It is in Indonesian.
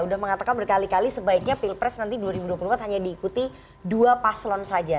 sudah mengatakan berkali kali sebaiknya pilpres nanti dua ribu dua puluh empat hanya diikuti dua paslon saja